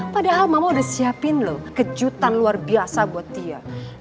padahal mama udah siapin loh kejutan luar biasa buat dia